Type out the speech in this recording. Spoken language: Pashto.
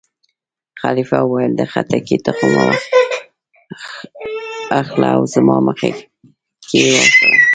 خلیفه وویل: د خټکي تخم وا اخله او زما مخکې یې وکره.